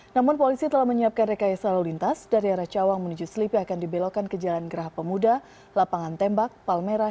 namun polisi telah menyiapkan rekayasa lalu lintas dari arah cawang menuju selipi akan dibelokkan ke jalan gerah pemuda lapangan tembak palmerah